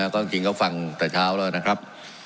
ก็จริงก็ฟังตั้งแต่เช้าเลยนะครับ